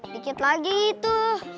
dikit lagi tuh